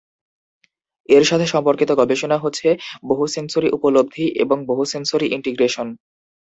এর সাথে সম্পর্কিত গবেষণা বিষয় হচ্ছে বহুসেন্সরি উপলব্ধি এবং বহুসেন্সরি ইন্টিগ্রেশন।